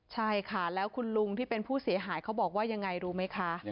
ใช่ค่ะแล้วคุณลุงที่เป็นผู้เสียหายเขาบอกว่ายังไงรู้ไหมคะ